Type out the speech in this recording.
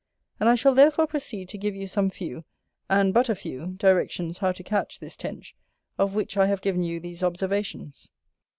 And I shall therefore proceed to give you some few, and but a few, directions how to catch this Tench, of which I have given you these observations.